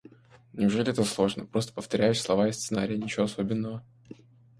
Неужели это сложно? Просто повторяешь слова из сценария, ничего особенного.